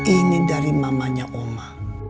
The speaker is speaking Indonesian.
ini dari mamanya oma